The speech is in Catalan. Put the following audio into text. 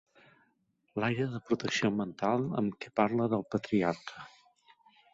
L'aire de protecció mental amb què parla del Patriarca